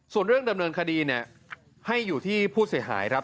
ส่วนเรื่องดำเนินคดีเนี่ยให้อยู่ที่ผู้เสียหายครับ